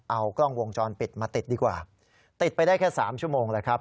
เอากล้องวงจรปิดมาติดดีกว่าติดไปได้แค่สามชั่วโมงแล้วครับ